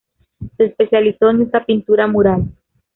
Se especializó en esta pintura mural.